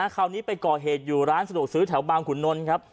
คราวนี้ไปก่อเหตุอยู่ร้านสะดวกซื้อแถวบางขุนนลครับ